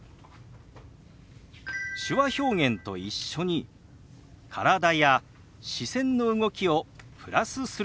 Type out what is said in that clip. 手話表現と一緒に体や視線の動きをプラスすることです。